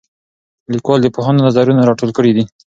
لیکوال د پوهانو نظرونه راټول کړي دي.